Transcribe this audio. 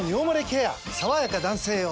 さわやか男性用」